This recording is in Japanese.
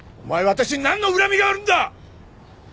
私になんの恨みがあるんだ！？